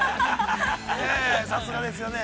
さすがですよね。